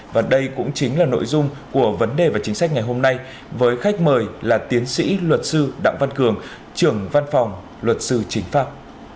và đây cũng chính là nội dung của vấn đề và chính sách ngày hôm nay với khách mời là tiến sĩ luật sư đặng văn cường trưởng văn phòng luật sư chính pháp